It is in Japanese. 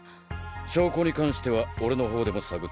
証拠に関しては俺のほうでも探ってみよう。